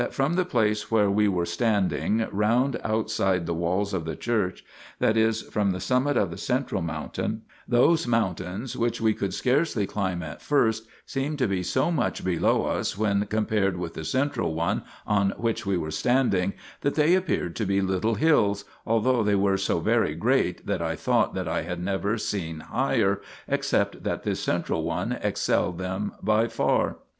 6 THE PILGRIMAGE OF ETHERIA the place where we were standing, round outside the walls of the church, that is from the summit of the central mountain, those mountains, which we could scarcely climb at first, seemed to be so much below us when compared with the central one on which we were standing, that they appeared to be little hills, although they were so very great that I thought that I had never seen higher, except that this central one excelled them by far.